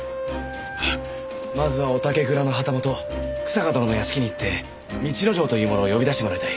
まずは御竹蔵の旗本久坂殿の屋敷に行って道之丞という者を呼び出してもらいたい。